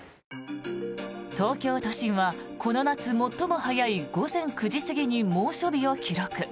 東京都心はこの夏最も早い午前９時過ぎに猛暑日を記録。